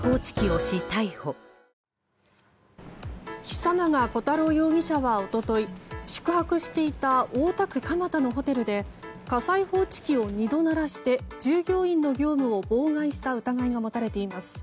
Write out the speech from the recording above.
久永小太郎容疑者は一昨日宿泊していた大田区蒲田のホテルで火災報知機を２度鳴らして従業員の業務を妨害した疑いが持たれています。